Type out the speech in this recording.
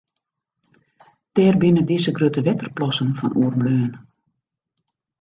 Dêr binne dizze grutte wetterplassen fan oerbleaun.